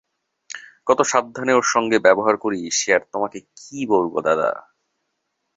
কত সাবধানে ওর সঙ্গে ব্যবহার করি সে আর তোমাকে কী বলব দাদা।